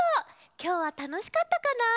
きょうはたのしかったかな？